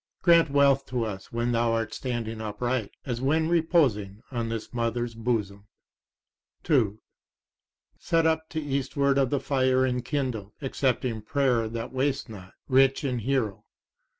Grant wealth to us when thou art standing upright as when reposing on this Mother's bosom. 2 Set up to eastward of the fire enkindled, accepting prayer that wastes not, rich in hero.